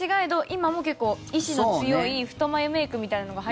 今も結構、意志の強い太眉メイクみたいなのが。